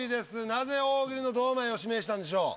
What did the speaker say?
なぜ「大喜利」の堂前を指名したんでしょう？